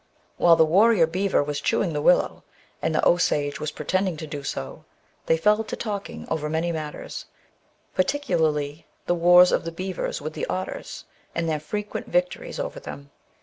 While the warrior beaver was chewing the willow, and the Osage was pretending to do so, they fell to talking over many matters, particularly the wars of the beavers with the otters, and their frequent victories over them.